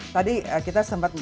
tadi kita sempat